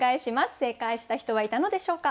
正解した人はいたのでしょうか？